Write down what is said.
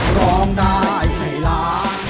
ร้องได้ให้ล้าน